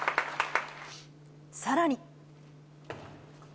さらに。